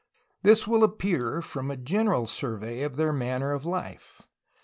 This will appear from a general survey of their manner of life.